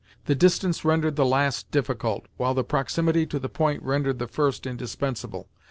The distance rendered the last difficult, while the proximity to the point rendered the first indispensable.